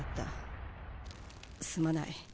すまない。